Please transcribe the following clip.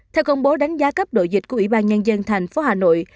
theo công bố đánh giá cấp độ dịch của ủy ban nhân dân thành phố hà nội